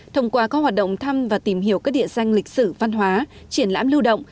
thông qua các hoạt động thăm và tìm hiểu các địa danh lịch sử văn hóa triển lãm lưu động